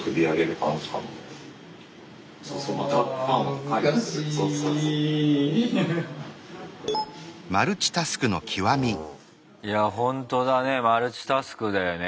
１回全部触っていやほんとだねマルチタスクだよね。